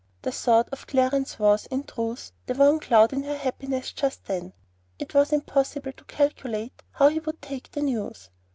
The thought of Clarence was, in truth, the one cloud in her happiness just then. It was impossible to calculate how he would take the news.